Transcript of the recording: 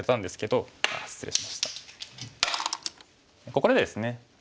ここでですね